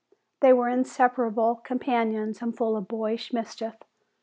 They were inseparable companions, and full of boyish mischief.